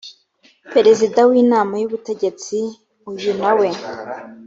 perezida w inama y ubutegetsi uyu nawe